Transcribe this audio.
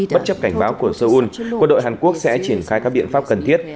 bất chấp cảnh báo của seoul quân đội hàn quốc sẽ triển khai các biện pháp cần thiết